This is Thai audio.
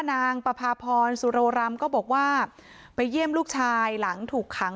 นางประพาพรสุโรรำก็บอกว่าไปเยี่ยมลูกชายหลังถูกขัง